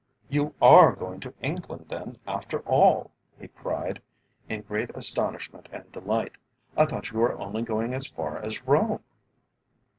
"You are going to England then after all?" he cried in great astonishment and delight. "I thought you were only going as far as Rome?"